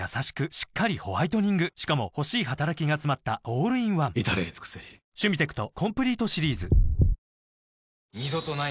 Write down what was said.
しっかりホワイトニングしかも欲しい働きがつまったオールインワン至れり尽せりかしこく食べたいうわ！